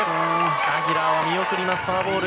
アギラーは見送りますフォアボール。